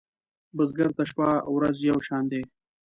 بزګر ته شپه ورځ یو شان دي